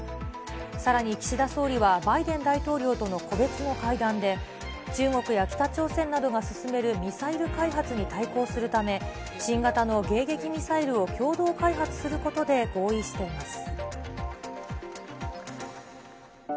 さらに岸田総理はバイデン大統領との個別の会談で、中国や北朝鮮などが進めるミサイル開発に対抗するため、新型の迎撃ミサイルを共同開発することで合意しました。